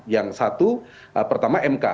yang satu pertama mk